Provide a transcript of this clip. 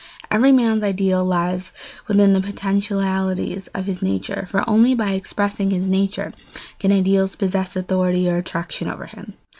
Every man's ideal lies within the potentialities of his nature, for only by expressing his nature can ideals possess authority or attraction over him.